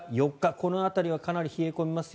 この辺りはかなり冷え込みますよ